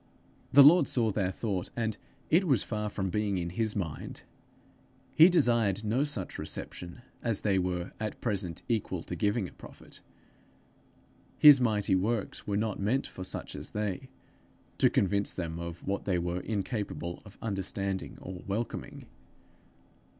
The Lord saw their thought, and it was far from being to his mind. He desired no such reception as they were at present equal to giving a prophet. His mighty works were not meant for such as they to convince them of what they were incapable of understanding or welcoming!